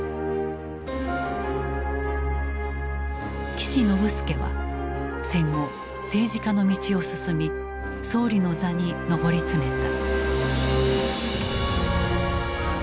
岸信介は戦後政治家の道を進み総理の座に上り詰めた。